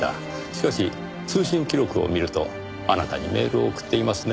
しかし通信記録を見るとあなたにメールを送っていますねぇ。